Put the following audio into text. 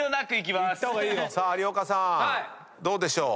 さあ有岡さんどうでしょう？